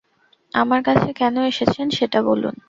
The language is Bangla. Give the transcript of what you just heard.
আমার কাছে কেন এসেছেন, সেটা বলুন।